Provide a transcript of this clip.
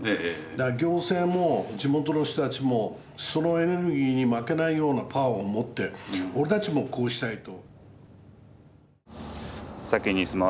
だから行政も地元の人たちもそのエネルギーに負けないようなパワーを持って俺たちもこうしたいと。